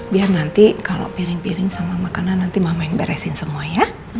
biar nanti kalau piring piring sama makanan nanti mama yang beresin semua ya